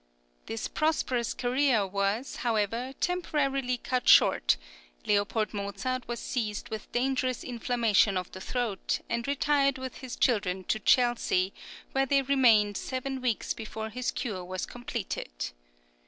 This prosperous career was, however, temporarily cut short; Leopold Mozart was seized with dangerous inflammation of the throat, and retired with his children to Chelsea, where they remained seven weeks before his cure was completed.